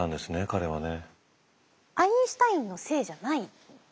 彼はね。